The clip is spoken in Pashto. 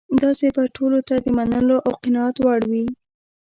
داسې به ټولو ته د منلو او قناعت وړ وي.